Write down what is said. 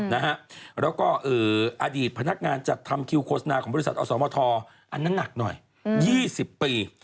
แล้วก็อดีตพนักงานจัดทำคิวโฆษณาของบริษัทอสมทอันนั้นหนักหน่อย๒๐ปี